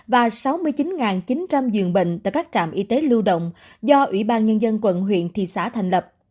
và sáu mươi chín chín trăm linh giường bệnh tại các trạm y tế lưu động do ủy ban nhân dân quận huyện thị xã thành lập